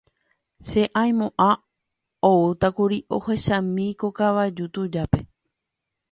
che aimo'ã oútakuri ohechami ko hovaja tujápe.